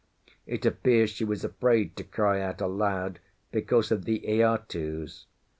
It appears she was afraid to cry out loud, because of the aitus.